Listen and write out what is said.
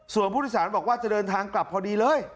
ส่วนผู้โดยสารบอกว่าจะเดินทางกลับพอดีเลย